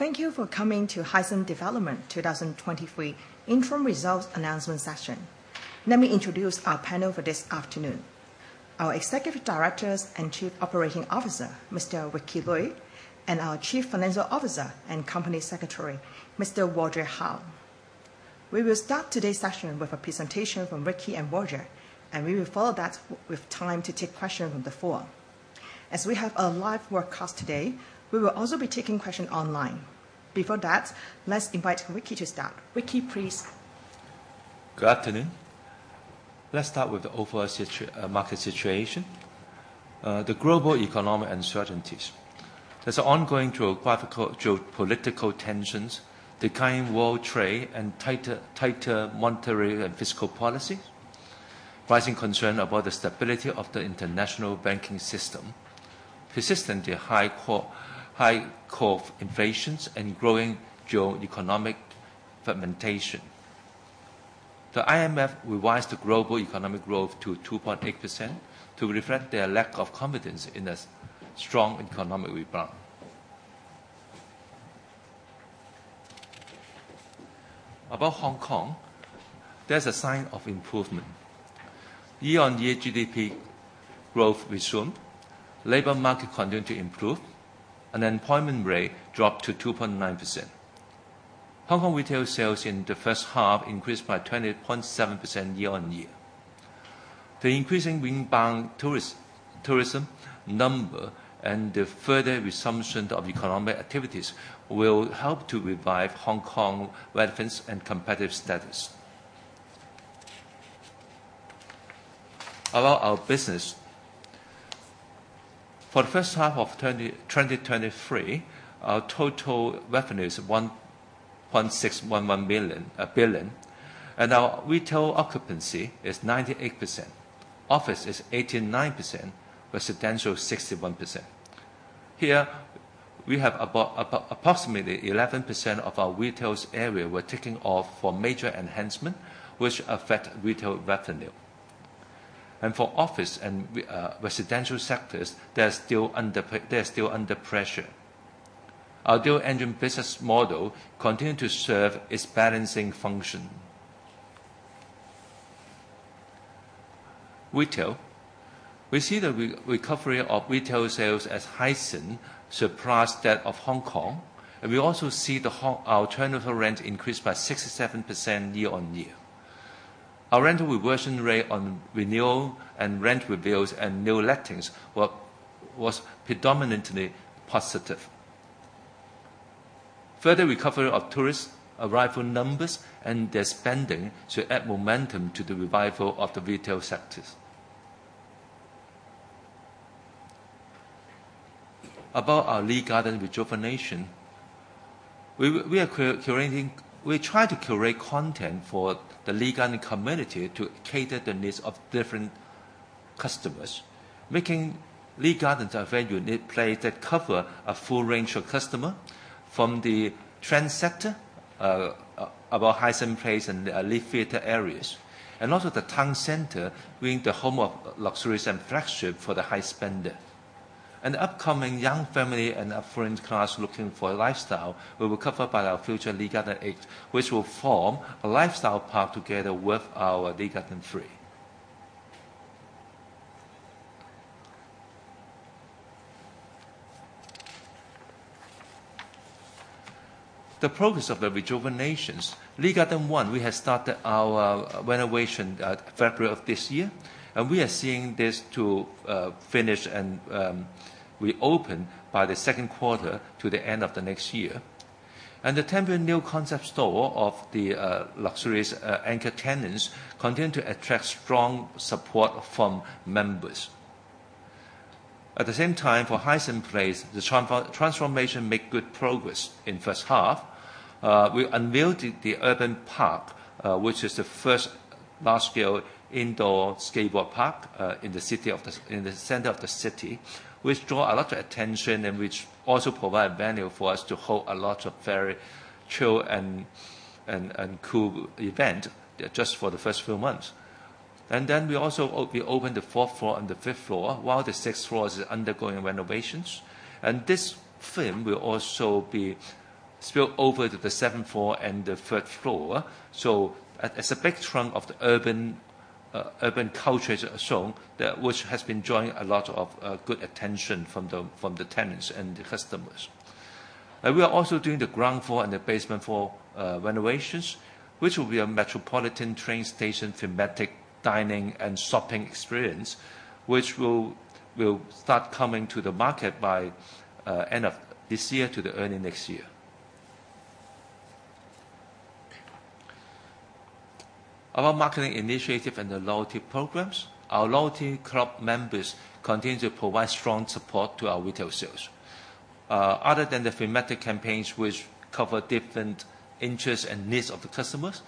Thank you for coming to Hysan Development 2023 interim results announcement session. Let me introduce our panel for this afternoon. Our Executive Director and Chief Operating Officer, Mr. Ricky Lui, and our Chief Financial Officer and Company Secretary, Mr. Roger Hao. We will start today's session with a presentation from Ricky and Roger. We will follow that with time to take questions from the floor. As we have a live webcast today, we will also be taking questions online. Before that, let's invite Ricky to start. Ricky, please. Good afternoon. Let's start with the overall market situation. The global economic uncertainties. There's ongoing geopolitical tensions, declining world trade, and tighter monetary and fiscal policy, rising concern about the stability of the international banking system, persistently high core inflations, and growing geoeconomic fragmentation. The IMF revised the global economic growth to 2.8% to reflect their lack of confidence in a strong economic rebound. About Hong Kong, there's a sign of improvement. Year-on-year GDP growth resumed, labor market continued to improve, and unemployment rate dropped to 2.9%. Hong Kong retail sales in the first half increased by 20.7% year-on-year. The increasing inbound tourism number and the further resumption of economic activities will help to revive Hong Kong relevance and competitive status. About our business. For the first half of 2023, our total revenue is 1.611 billion, and our retail occupancy is 98%, office is 89%, residential, 61%. Here, we have approximately 11% of our retails area were taken off for major enhancement, which affect retail revenue. For office and residential sectors, they're still under pressure. Our dual engine business model continued to serve its balancing function. Retail. We see the recovery of retail sales as Hysan surpassed that of Hong Kong, and we also see our turnover rent increased by 67% year-on-year. Our rental reversion rate on renewal and rent reviews and new lettings was predominantly positive. Further recovery of tourist arrival numbers and their spending should add momentum to the revival of the retail sectors. About our Lee Gardens rejuvenation, We try to curate content for the Lee Gardens community to cater the needs of different customer, making Lee Gardens a very unique place that cover a full range of customer, from the trendsetter, about Hysan Place and Lee Theatre areas, and also the town center, being the home of luxuries and flagship for the high spender. Upcoming young family and affluent class looking for a lifestyle, we will cover by our future Lee Garden Eight, which will form a lifestyle park together with our Lee Garden Three. The progress of the rejuvenations. Lee Garden One, we have started our renovation at February of this year, and we are seeing this to finish and reopen by the second quarter to the end of the next year. The temporary new concept store of the luxurious anchor tenants continue to attract strong support from members. At the same time, for Hysan Place, the transformation make good progress in first half. We unveiled the urban park, which is the first large-scale indoor skateboard park, in the city in the center of the city, which draw a lot of attention and which also provide venue for us to hold a lot of very chill and, and, and cool event, just for the first few months. Then we also we opened the fourth floor and the fifth floor, while the sixth floor is undergoing renovations. This theme will also be spill over to the seventh floor and the third floor. As a background of the urban culture zone, which has been drawing a lot of good attention from the tenants and the customers. We are also doing the ground floor and the basement floor renovations, which will be a metropolitan train station, thematic dining, and shopping experience, which will start coming to the market by end of this year to the early next year. About marketing initiative and the loyalty programs. Our loyalty club members continue to provide strong support to our retail sales. Other than the thematic campaigns, which cover different interests and needs of the customers,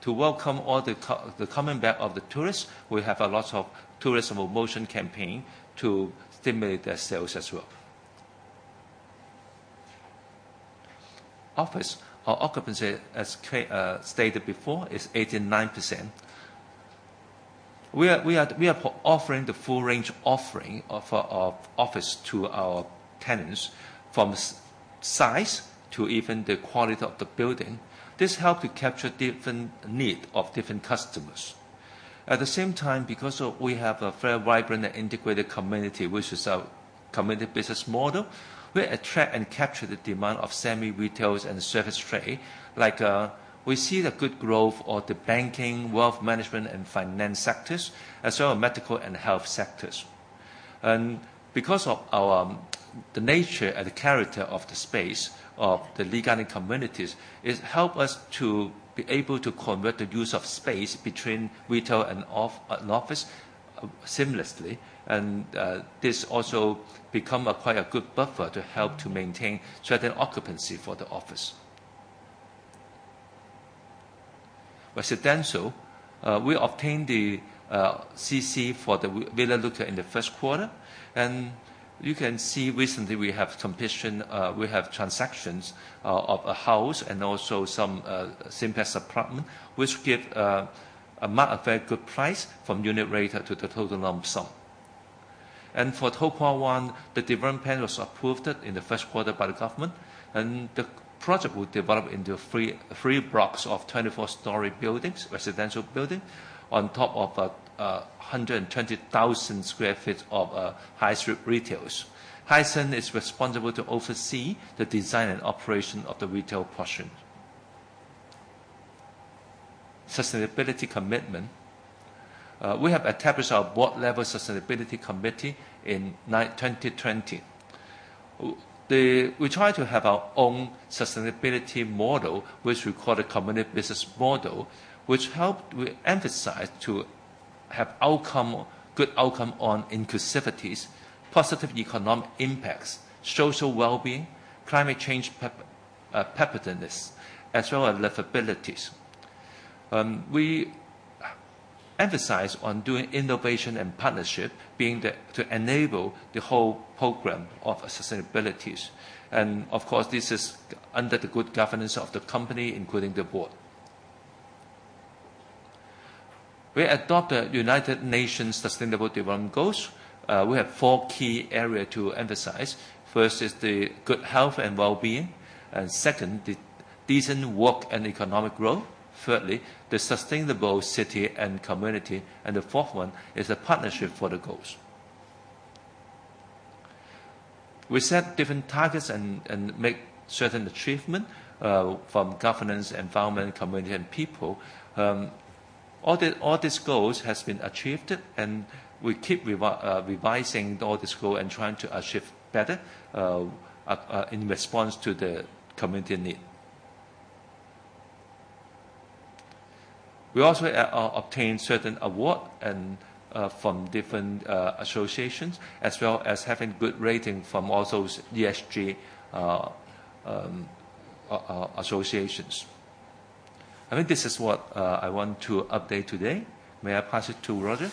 to welcome all the coming back of the tourists, we have a lot of tourism promotion campaign to stimulate their sales as well. Office. Our occupancy, as stated before, is 89%. We are, we are, we are offering the full range offering of, of office to our tenants, from size to even the quality of the building. This help to capture different need of different customers. At the same time, because of we have a very vibrant and integrated community, which is our community business model, we attract and capture the demand of semi-retails and service trade. Like, we see the good growth of the banking, wealth management, and finance sectors, as well medical and health sectors. Because of our, the nature and the character of the space of the Lee Gardens communities, it help us to be able to convert the use of space between retail and office, seamlessly. This also become a quite a good buffer to help to maintain certain occupancy for the office. Residential, we obtained the CC for the Villa Lucca in the 1st quarter, and you can see recently we have completion. We have transactions of a house and also some simplex apartment, which give a amount of very good price from unit rate to the total lump sum. For To Kwa Wan, the development plan was approved in the 1st quarter by the government, and the project will develop into three, three blocks of 24-storey buildings, residential building, on top of a 120,000 sq ft of high street retails. Hysan is responsible to oversee the design and operation of the retail portion. Sustainability commitment. We have established our board-level sustainability committee in 2020. We try to have our own sustainability model, which we call the community business model, which help with emphasize to have outcome, good outcome on inclusivities, positive economic impacts, social wellbeing, climate change preparedness, as well as livabilities. We emphasize on doing innovation and partnership, being that to enable the whole program of sustainabilities. Of course, this is under the good governance of the company, including the board. We adopt the United Nations Sustainable Development Goals. We have four key area to emphasize. First is the good health and wellbeing, and second, the decent work and economic growth. Thirdly, the sustainable city and community, and the fourth one is a partnership for the goals. We set different targets and make certain achievement from governance, environment, community, and people. All the, all these goals has been achieved, and we keep revising all this goal and trying to achieve better in response to the community need. We also obtain certain award and from different associations, as well as having good rating from also ESG associations. I think this is what I want to update today. May I pass it to Roger?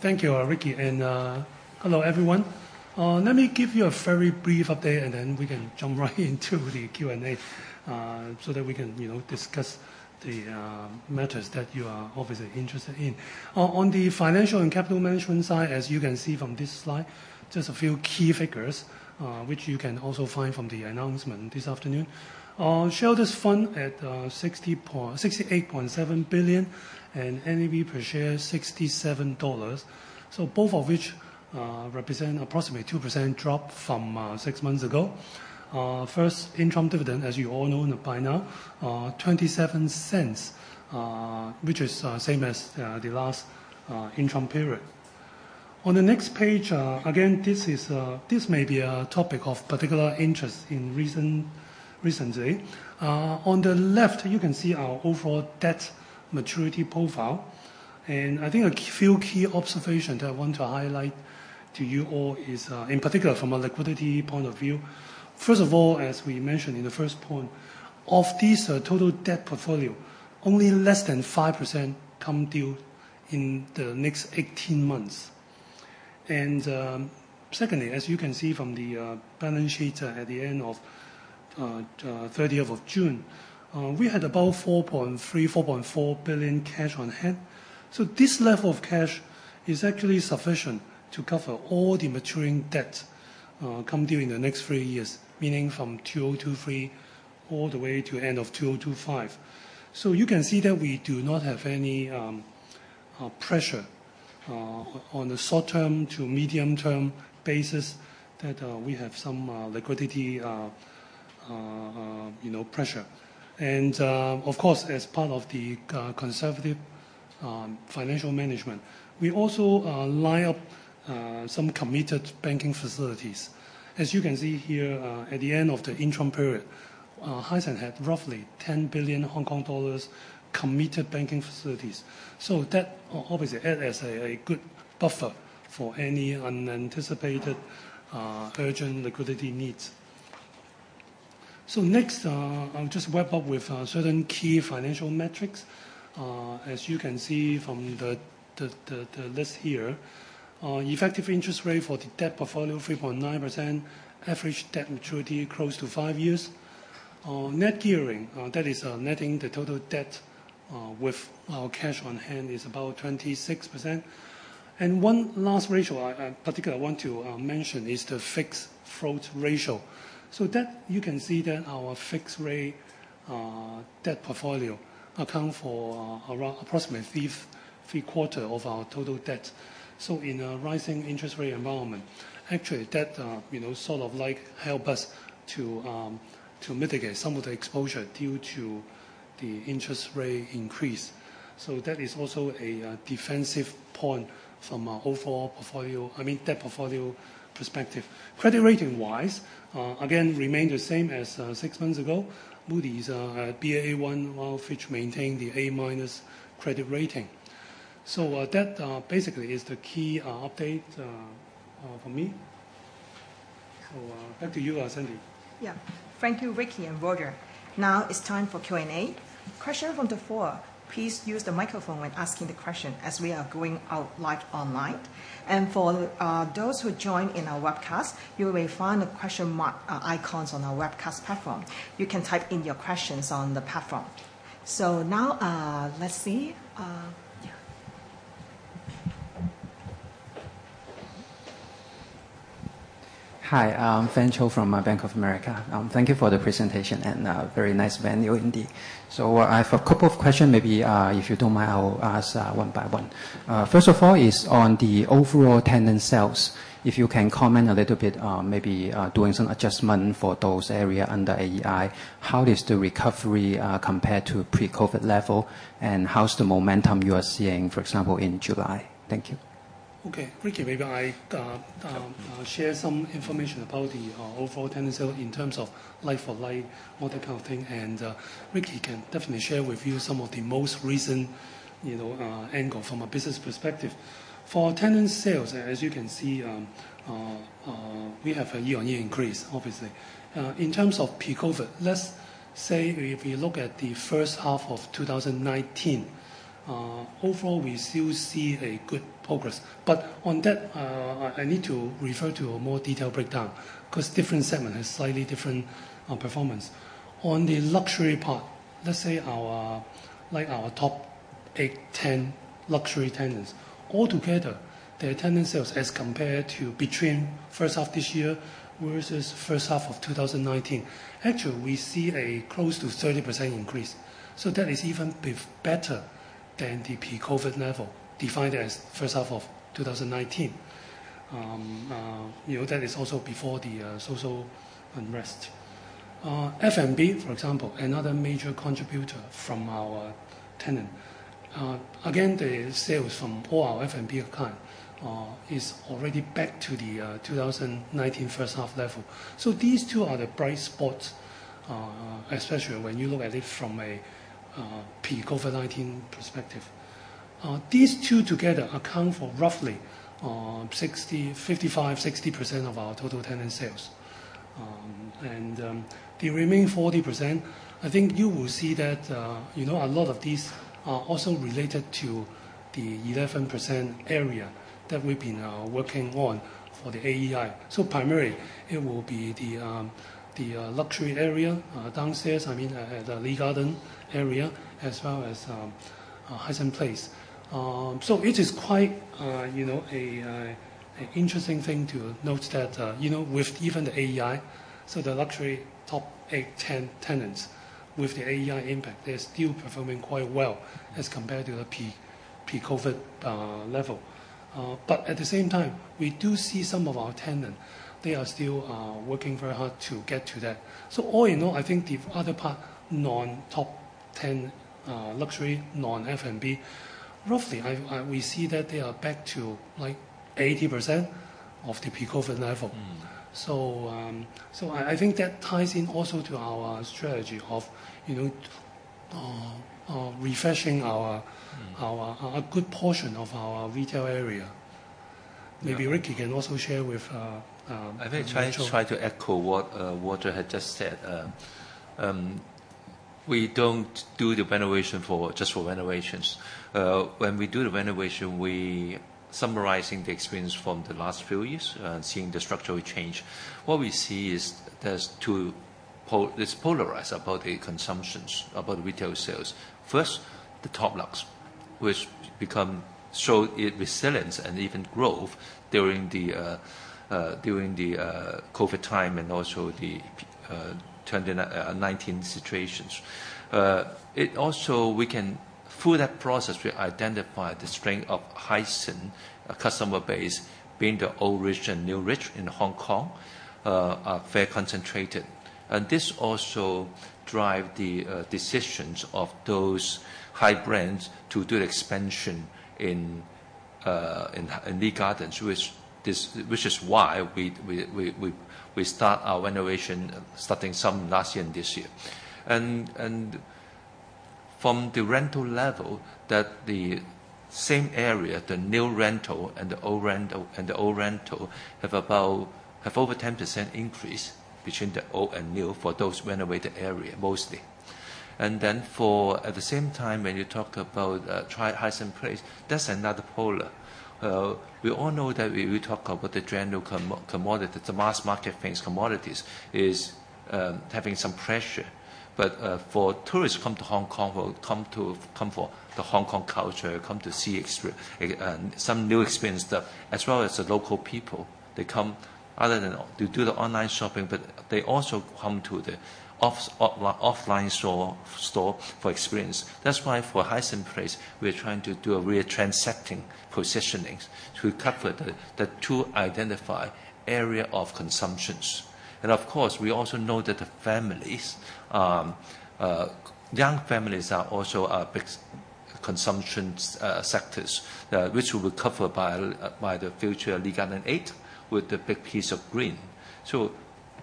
Thank you, Ricky, and hello, everyone. Let me give you a very brief update, and then we can jump right into the Q&A, so that we can, you know, discuss the matters that you are obviously interested in. On the financial and capital management side, as you can see from this slide, just a few key figures, which you can also find from the announcement this afternoon. Shareholders fund at 68.7 billion, and NAV per share, HKD 67. Both of which represent approximately 2% drop from six months ago. First, interim dividend, as you all know by now, 0.27, which is same as the last interim period. On the next page, again, this is, this may be a topic of particular interest recently. On the left, you can see our overall debt maturity profile, and I think a few key observation that I want to highlight to you all is, in particular, from a liquidity point of view. First of all, as we mentioned in the first point, of this, total debt portfolio, only less than 5% come due in the next 18 months. Secondly, as you can see from the, balance sheet at the end of, 30th of June, we had about 4.3 billion-4.4 billion cash on hand. This level of cash is actually sufficient to cover all the maturing debt coming due in the next three years, meaning from 2023 all the way to end of 2025. You can see that we do not have any pressure on the short term to medium term basis, that we have some liquidity, you know, pressure. Of course, as part of the conservative financial management, we also line up some committed banking facilities. As you can see here, at the end of the interim period, Hysan Development had roughly 10 billion Hong Kong dollars committed banking facilities. That obviously add as a good buffer for any unanticipated urgent liquidity needs. Next, I'll just wrap up with certain key financial metrics. As you can see from the, the, the, the list here, effective interest rate for the debt portfolio, 3.9%. Average debt maturity, close to five years. Our net gearing, that is, netting the total debt, with our cash on hand, is about 26%. One last ratio I particularly want to mention, is the fixed float ratio. That, you can see that our fixed rate debt portfolio account for around approximately 3/4 of our total debt. In a rising interest rate environment, actually, that, you know, sort of like help us to mitigate some of the exposure due to the interest rate increase. That is also a defensive point from our overall portfolio, I mean, debt portfolio perspective. Credit rating-wise, again, remain the same as, six months ago. Moody's, Baa1, while Fitch maintained the A-minus credit rating. That, basically is the key, update, from me. Back to you, Sandy. Yeah. Thank you, Ricky and Roger. Now it's time for Q&A. Question from the floor, please use the microphone when asking the question, as we are going out live online. For those who join in our webcast, you will find the question mark icons on our webcast platform. You can type in your questions on the platform. Now, let's see. Yeah. Hi, I'm Frank Chou from Bank of America. Thank you for the presentation, and very nice venue indeed. I have a couple of question. Maybe, if you don't mind, I'll ask one by one. First of all is on the overall tenant sales. If you can comment a little bit on maybe doing some adjustment for those area under AEI. How is the recovery compared to pre-COVID level, and how is the momentum you are seeing, for example, in July? Thank you. Okay. Ricky, maybe I share some information about the overall tenant sales in terms of like-for-like, all that kind of thing, and Ricky can definitely share with you some of the most recent, you know, angle from a business perspective. For tenant sales, as you can see, we have a year-on-year increase, obviously. In terms of pre-COVID, let's say if you look at the first half of 2019, overall, we still see a good progress. On that, I, I need to refer to a more detailed breakdown, 'cause different segment has slightly different performance. On the luxury part, let's say our, like, our top eight, 10 luxury tenants. Altogether, their tenant sales as compared to between first half this year versus first half of 2019, actually, we see a close to 30% increase. That is even better than the pre-COVID level, defined as first half of 2019. You know, that is also before the social unrest. F&B, for example, another major contributor from our tenant. Again, the sales from all our F&B account is already back to the 2019 first half level. These two are the bright spots, especially when you look at it from a pre-COVID-19 perspective. These two together account for roughly 55%-60% of our total tenant sales. The remaining 40%, I think you will see that a lot of these are also related to the 11% area that we've been working on for the AEI. Primarily, it will be the luxury area downstairs, I mean, the Lee Garden area, as well as Hysan Place. It is quite an interesting thing to note that with even the AEI, the luxury top eight, 10 tenants with the AEI impact, they're still performing quite well as compared to the pre-COVID level. At the same time, we do see some of our tenant, they are still working very hard to get to that. All in all, I think the other part, non-top 10, luxury, non-F&B, roughly, I, I, we see that they are back to, like, 80% of the pre-COVID level. Mm. So I, I think that ties in also to our strategy of, you know, refreshing our- Mm... a good portion of our retail area. Yeah. Maybe Ricky can also share with. I think try, try to echo what Roger had just said. We don't do the renovation for, just for renovations. When we do the renovation, we summarizing the experience from the last few years, seeing the structural change. What we see is there's two there's polarized about the consumptions, about retail sales. First, the top lux, which become so resilient and even growth during the COVID time and also the 2019 situations. It also, we can, through that process, we identify the strength of Hysan, a customer base, being the old rich and new rich in Hong Kong, are very concentrated. This also drive the decisions of those high brands to do the expansion in Lee Gardens, which this, which is why we, we, we, we, we start our renovation, starting some last year and this year. From the rental level, that the same area, the new rental and the old rental, and the old rental, have about, have over 10% increase between the old and new for those renovated area, mostly. At the same time, when you talk about try Hysan Place, that's another polar. We all know that we, we talk about the general commodity, the mass market-based commodities, is having some pressure. For tourists come to Hong Kong, will come to, come for the Hong Kong culture, come to see extra some new experience there, as well as the local people. They come other than to do the online shopping, but they also come to the offline store for experience. That's why for Hysan Place, we're trying to do a real transecting positionings to cover the two identified area of consumptions. Of course, we also know that the families, young families are also a big consumptions sectors, which we will cover by the future Lee Garden Eight, with the big piece of green.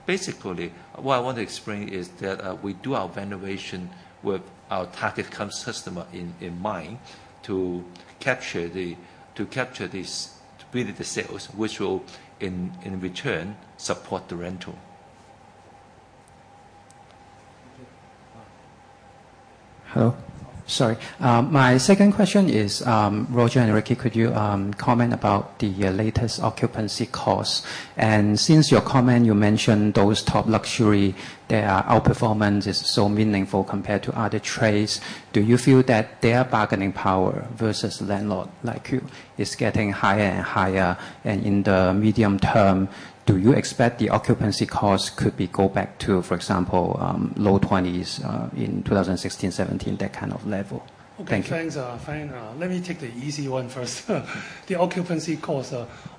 Basically, what I want to explain is that, we do our renovation with our target customer in, in mind, to capture this, really the sales, which will in, in return, support the rental. Hello? Sorry. My second question is, Roger and Ricky, could you comment about the latest occupancy costs? Since your comment, you mentioned those top luxury, their outperformance is so meaningful compared to other trades. Do you feel that their bargaining power versus landlord, like you, is getting higher and higher? In the medium term, do you expect the occupancy costs could be go back to, for example, low 20s% in 2016, 2017, that kind of level? Thank you. Okay, thanks, Fine. Let me take the easy one first. The occupancy costs.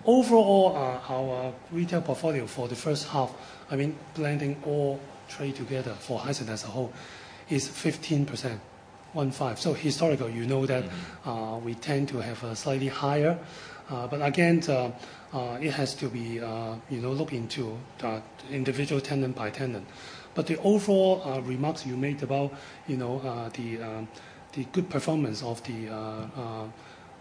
Overall, our retail portfolio for the first half, I mean, blending all trade together for Hysan as a whole, is 15%, 15. Historical, you know that- Mm-hmm... we tend to have a slightly higher. Again, it has to be, you know, looked into the individual tenant by tenant. The overall remarks you made about, you know, the good performance of the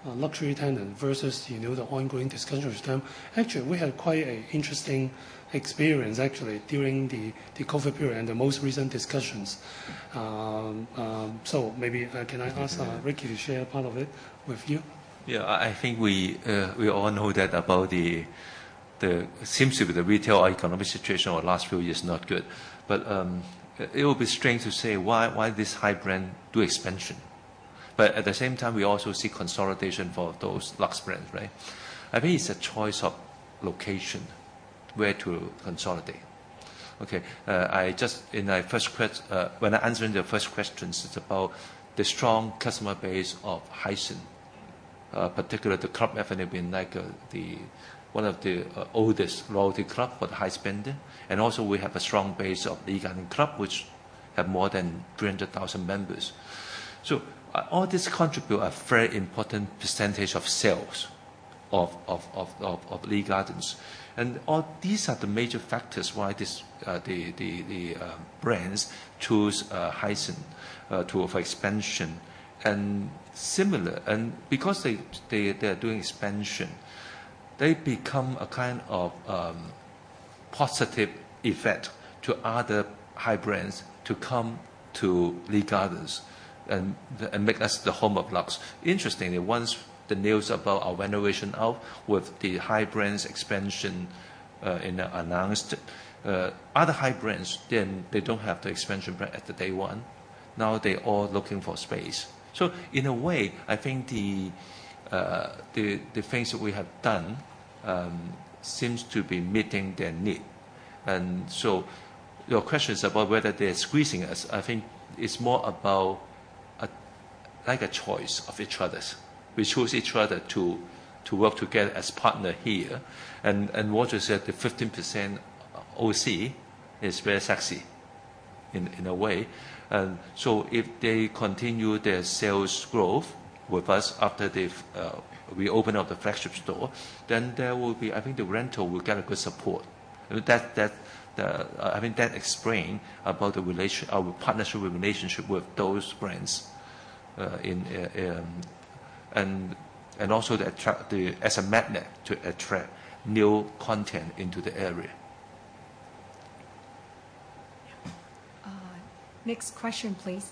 luxury tenant versus, you know, the ongoing discussion term, actually, we had quite a interesting experience, actually, during the COVID period and the most recent discussions. Maybe, can I ask, Ricky- Sure... to share part of it with you? Yeah, I, I think we, we all know that about the seems to be the retail economic situation over the last few years not good. It will be strange to say why, why this high brand do expansion? But at the same time, we also see consolidation for those lux brands, right? I think it's a choice of location, where to consolidate. Okay, I just, in my first when answering the first questions, it's about the strong customer base of Hysan, particularly the Club Avenue, being like, the one of the oldest loyalty club for the high spender. We also have a strong base of Lee Gardens Club, which have more than 300,000 members. All this contribute a very important % of sales of, of, of, of, of Lee Gardens. All these are the major factors why this, the, the, the, brands choose Hysan to offer expansion. Because they, they, they are doing expansion, they become a kind of positive effect to other high brands to come to Lee Gardens and, and make us the home of lux. Interestingly, once the news about our renovation out with the high brands expansion, in, announced, other high brands, then they don't have the expansion brand at the day 1. Now, they all looking for space. In a way, I think the, the, the things that we have done, seems to be meeting their need. Your question is about whether they're squeezing us, I think it's more about a, like a choice of each others. We choose each other to, to work together as partner here. What you said, the 15% OC is very sexy in, in a way. If they continue their sales growth with us after we open up the flagship store, then there will be. I think the rental will get a good support. That, I mean, that explain about the relation, our partnership relationship with those brands, in, also to attract, as a magnet to attract new content into the area. Next question, please.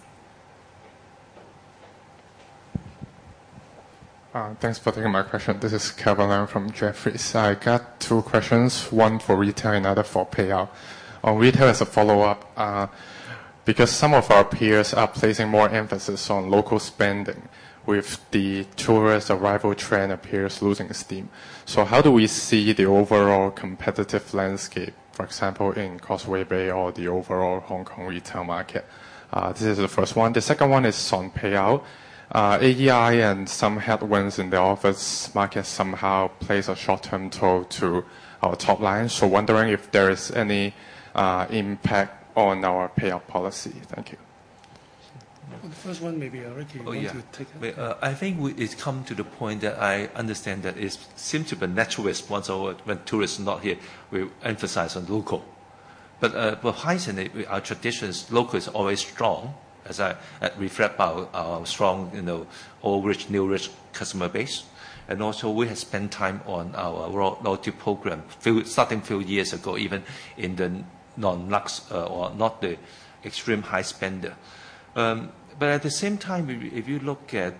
Thanks for taking my question. This is Kevin Lam from Jefferies. I got two questions, one for retail, another for payout. On retail, as a follow-up, because some of our peers are placing more emphasis on local spending with the tourist arrival trend appears losing steam. How do we see the overall competitive landscape, for example, in Causeway Bay or the overall Hong Kong retail market? This is the first one. The second one is on payout. AEI and some headwinds in the office market somehow plays a short-term toll to our top line. Wondering if there is any impact on our payout policy. Thank you. The first one, maybe, Ricky- Oh, yeah. ...you want to take it? I think we, it's come to the point that I understand that it seems to be a natural response over when tourists are not here, we emphasize on local. Hysan, our tradition is local is always strong, as I reflect about our, our strong, you know, old rich, new rich customer base. Also, we have spent time on our loyalty program, few, starting a few years ago, even in the non-luxe or not the extreme high spender. At the same time, if you, if you look at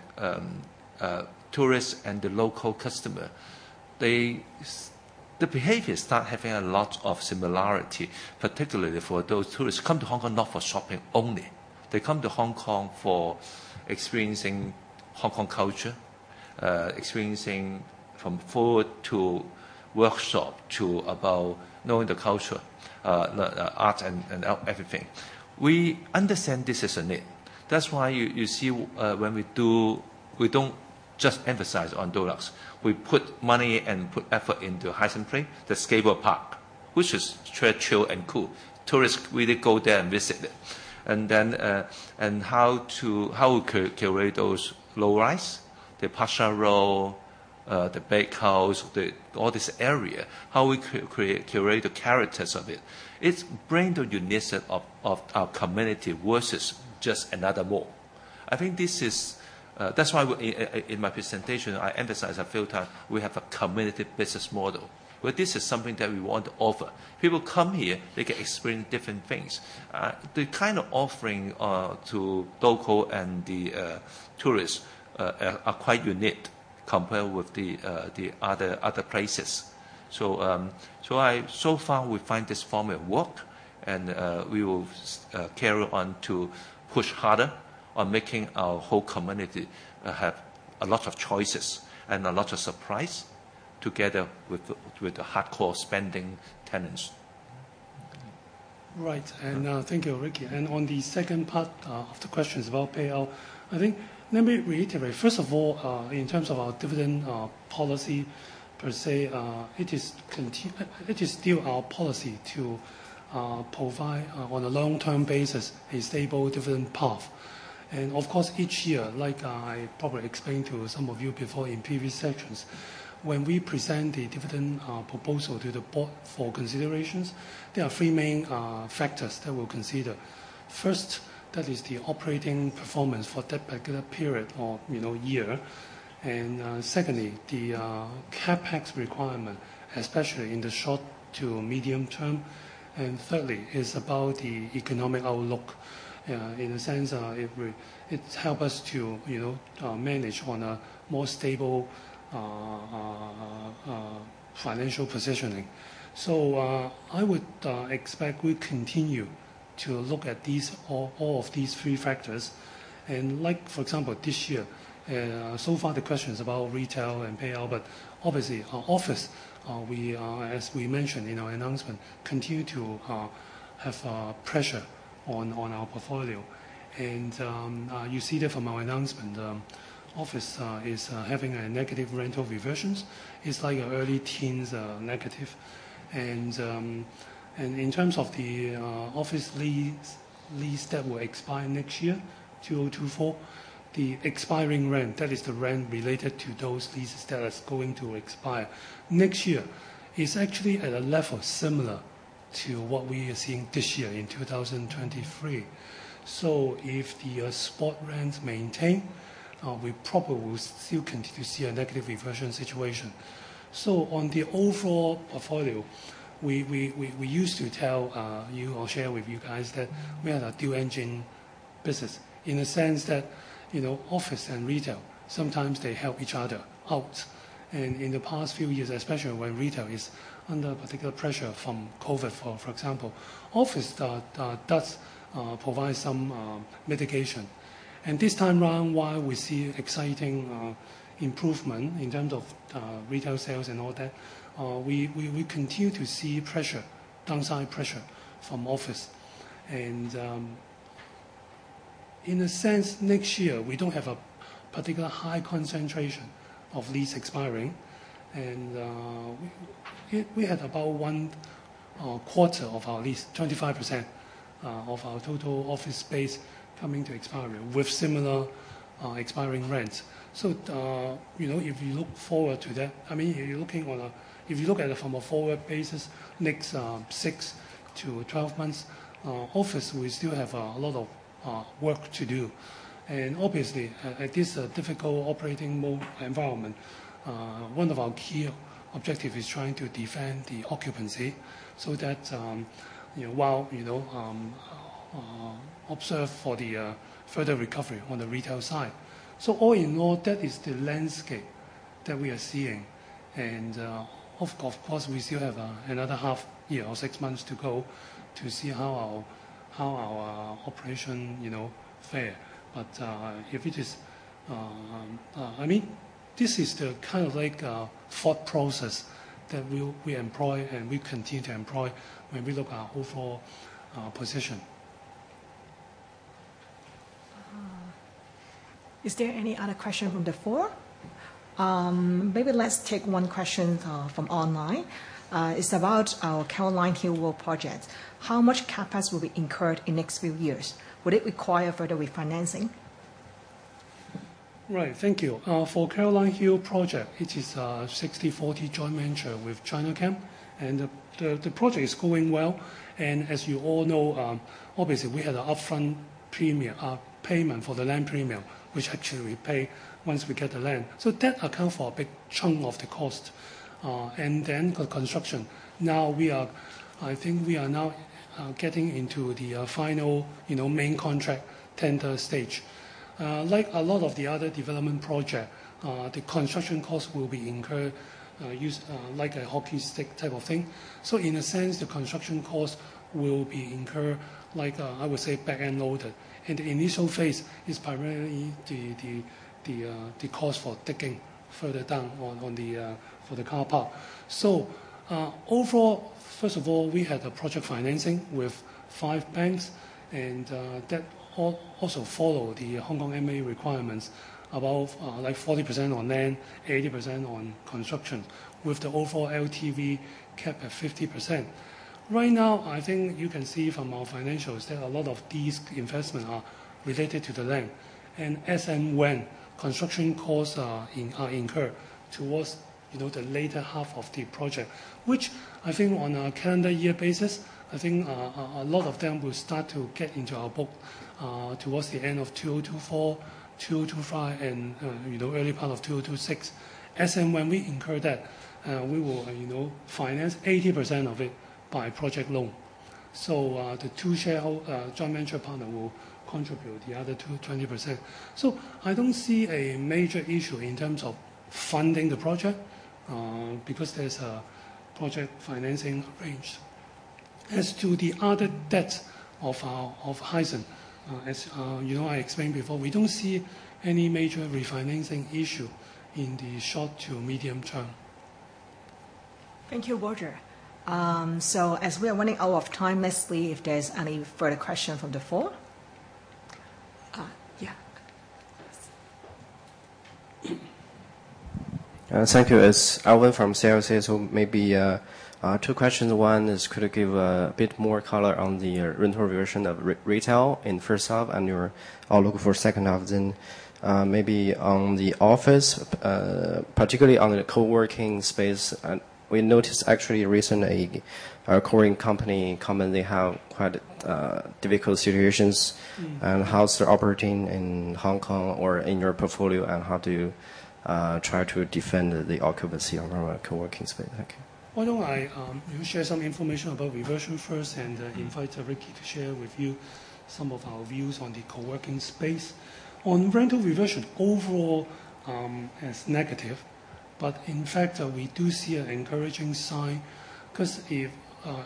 tourists and the local customer, they the behavior start having a lot of similarity, particularly for those tourists come to Hong Kong not for shopping only. They come to Hong Kong for experiencing Hong Kong culture, experiencing from food to workshop, to about knowing the culture, art, and everything. We understand this is a need. That's why you, you see, when we don't just emphasize on deluxe. We put money and put effort into Hysan Place, the skateboard park, which is chill, chill, and cool. Tourists really go there and visit it. Then how to, how we curate those low-rise, the Pak Sha Road, the Bakehouse, all this area, how we create, curate the characters of it. It's bring the uniqueness of our community versus just another mall. I think this is. That's why in my presentation, I emphasize a few time, we have a community business model, where this is something that we want to offer. People come here, they can experience different things. The kind of offering to local and the tourists are quite unique compared with the other, other places. So far, we find this format work, and we will carry on to push harder on making our whole community have a lot of choices and a lot of surprise, together with the with the hardcore spending tenants. Right. Thank you, Ricky. On the second part of the question is about payout. I think, let me reiterate. First of all, in terms of our dividend policy per se, it is still our policy to provide on a long-term basis, a stable dividend path. Of course, each year, like I probably explained to some of you before in previous sessions, when we present the dividend proposal to the board for considerations, there are three main factors that we'll consider. First, that is the operating performance for that particular period or, you know, year. Secondly, the CapEx requirement, especially in the short to medium term. Thirdly, is about the economic outlook. In the sense, it will, it help us to, you know, manage on a more stable financial positioning. I would expect we continue to look at these, all, all of these three factors. Like, for example, this year, so far, the question is about retail and payout. Obviously, our office, we, as we mentioned in our announcement, continue to have pressure on our portfolio. You see that from our announcement, office is having a negative rental reversions. It's like early teens negative. In terms of the office lease, lease that will expire next year, 2024, the expiring rent, that is the rent related to those leases that is going to expire next year, is actually at a level similar to what we are seeing this year in 2023. If the spot rents maintain, we probably will still continue to see a negative reversion situation. On the overall portfolio, we, we, we, we used to tell you or share with you guys, that we are a dual engine business, in the sense that, you know, office and retail, sometimes they help each other out. In the past few years, especially when retail is under particular pressure from COVID, for example, office, does provide some mitigation. This time around, while we see exciting improvement in terms of retail sales and all that, we, we, we continue to see pressure, downside pressure from office. In a sense, next year, we don't have a particular high concentration of lease expiring, and we, we had about one quarter of our lease, 25% of our total office space coming to expiry with similar expiring rents. You know, if you look forward to that, I mean, you're looking on a... If you look at it from a forward basis, next 6-12 months, office, we still have a lot of work to do. Obviously, at this difficult operating environment, one of our key objective is trying to defend the occupancy so that, you know, while, you know, observe for the further recovery on the retail side. All in all, that is the landscape that we are seeing. Of course, of course, we still have another half year or six months to go to see how our, how our operation, you know, fare. If it is, I mean, this is the kind of like thought process that we, we employ and we continue to employ when we look at our overall position. Is there any other question from the floor? Maybe let's take one question from online. It's about our Caroline Hill Road Project. How much CapEx will be incurred in next few years? Would it require further refinancing? Right. Thank you. For Caroline Hill Road Project, it is a 60/40 joint venture with Chinachem, the project is going well. As you all know, obviously we had an upfront premium payment for the land premium, which actually we pay once we get the land. That account for a big chunk of the cost. Then the construction. Now I think we are now getting into the final, you know, main contract tender stage. Like a lot of the other development project, the construction cost will be incurred, use like a hockey stick type of thing. In a sense, the construction cost will be incurred like, I would say, back-end loaded. The initial phase is primarily the cost for digging further down for the car park. Overall, first of all, we had a project financing with five banks, and that also follow the Hong Kong MA requirements, about 40% on land, 80% on construction, with the overall LTV cap at 50%. Right now, I think you can see from our financials that a lot of these investment are related to the land. As and when construction costs are in, are incurred towards, you know, the latter half of the project, which I think on a calendar year basis, I think, a lot of them will start to get into our book towards the end of 2024, 2025, and, you know, early part of 2026. As and when we incur that, we will, you know, finance 80% of it by project loan. The two sharehold- joint venture partner will contribute the other 20%. I don't see a major issue in terms of funding the project because there's a project financing arranged. As to the other debt of Hysan, as, you know, I explained before, we don't see any major refinancing issue in the short to medium term. Thank you, Roger. As we are running out of time, let's see if there's any further question from the floor. Yeah. Thank you. It's Alvin from CLSA. Maybe, two questions. One is, could you give a bit more color on the rental version of re- retail in 1st half, and your outlook for 2nd half? Maybe on the office, particularly on the co-working space, and we noticed actually recently, a Korean company come and they have quite difficult situations. Mm. How is their operating in Hong Kong or in your portfolio, and how do you try to defend the occupancy on our co-working space? Thank you. Why don't I share some information about reversion first. Mm. and invite Ricky to share with you some of our views on the co-working space. On rental reversion, overall, it's negative, but in fact, we do see an encouraging sign, 'cause if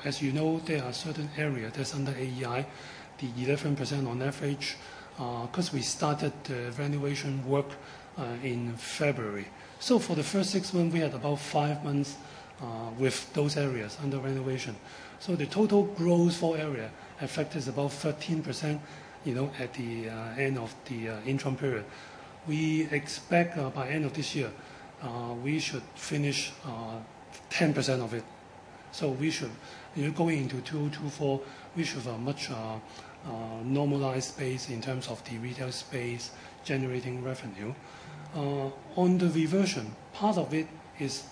as you know, there are certain area that's under AEI, the 11% on average, 'cause we started the renovation work in February. For the first six months, we had about five months with those areas under renovation. The total gross floor area affect is about 13%, you know, at the end of the interim period. We expect by end of this year, we should finish 10% of it. We should, you know, going into 2024, we should have a much normalized space in terms of the retail space generating revenue. On the reversion, part of it is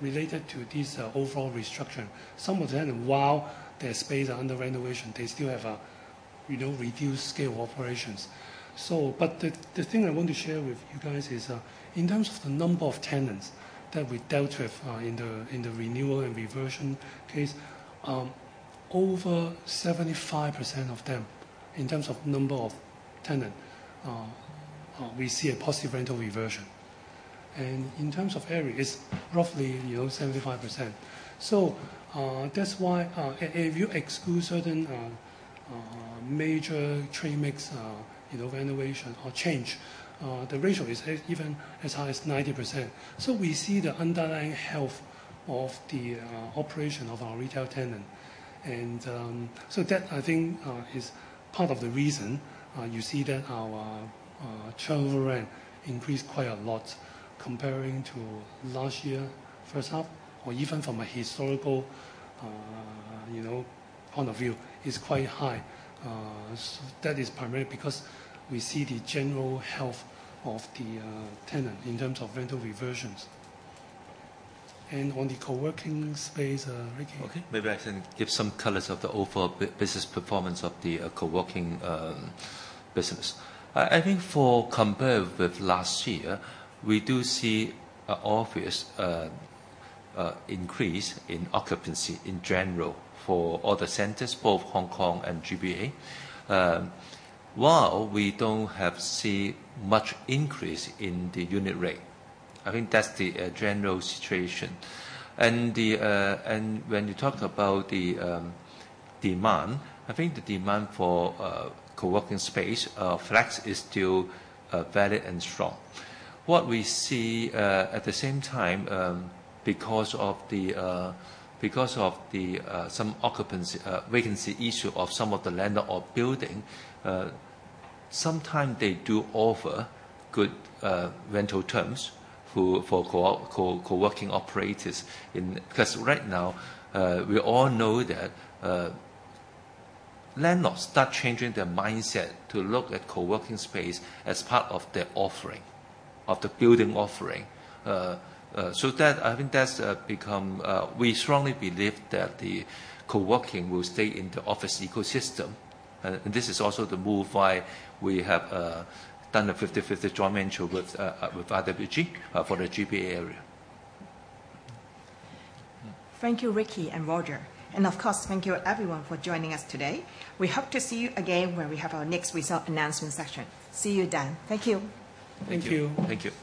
related to this overall restructuring. Some of the tenant, while their space are under renovation, they still have a, you know, reduced scale of operations. But the thing I want to share with you guys is in terms of the number of tenants that we dealt with in the renewal and reversion case, over 75% of them, in terms of number of tenant, we see a positive rental reversion. In terms of area, it's roughly, you know, 75%. That's why if you exclude certain major trade mix, you know, renovation or change, the ratio is even as high as 90%. We see the underlying health of the operation of our retail tenant., is part of the reason you see that our turnover rent increased quite a lot comparing to last year, first half, or even from a historical, you know, point of view, it's quite high. That is primarily because we see the general health of the tenant in terms of rental reversions. On the co-working space, Ricky? Okay. Maybe I can give some colors of the overall business performance of the co-working business. I think for compared with last year, we do see a obvious increase in occupancy in general for all the centers, both Hong Kong and GBA. While we don't have seen much increase in the unit rate, I think that's the general situation. When you talk about the demand, I think the demand for co-working space flex is still valid and strong. What we see, at the same time, because of the some occupancy, vacancy issue of some of the landlord or building, sometime they do offer good rental terms for co-working operators 'Cause right now, we all know that landlords start changing their mindset to look at co-working space as part of their offering, of the building offering. We strongly believe that the co-working will stay in the office ecosystem, and this is also the move why we have done a 50/50 joint venture with IWG for the GBA area. Thank you, Ricky and Roger. Of course, thank you everyone for joining us today. We hope to see you again when we have our next result announcement session. See you then. Thank you. Thank you. Thank you.